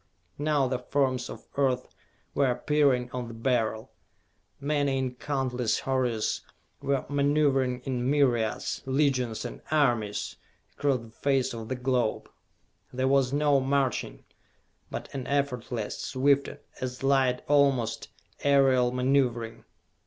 Now the forms of Earth were appearing on the Beryl. Men in countless hordes were maneuvering in myriads, legions and armies, across the face of the globe. There was no marching, but an effortless, swift as light almost, aerial maneuvering.